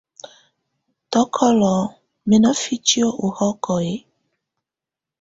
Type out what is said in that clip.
Tɔ́kɔ́lɔ mɛ na fitiǝ́ ɔ hɔlɔ?